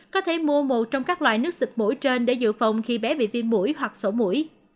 có thể mua một trong các loại nước xịt mũi trên để dự phòng khi bé bị viêm mũi hoặc sổ mũi